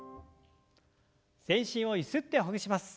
全身をゆすってほぐします。